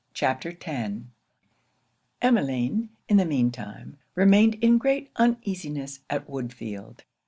CHAPTER X Emmeline, in the mean time, remained in great uneasiness at Woodfield.